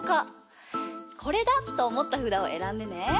これだ！とおもったふだをえらんでね。